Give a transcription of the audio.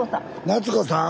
夏子さん？